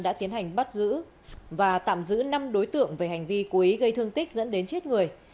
đã tiến hành bắt giữ và tạm giữ năm đối tượng về hành vi cố ý gây thương tích dẫn đến chết người